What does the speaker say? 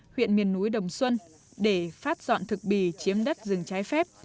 huyện miền núi đồng xuân để phát dọn thực bì chiếm đất rừng trái phép